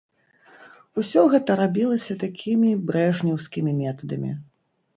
Усё гэта рабілася такімі брэжнеўскімі метадамі.